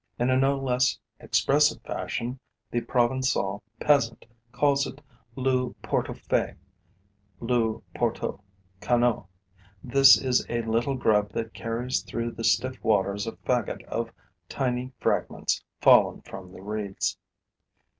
In a no less expressive fashion, the Provencal peasant calls it lou portofais, lou porto caneu. This is the little grub that carries through the still waters a faggot of tiny fragments fallen from the reeds.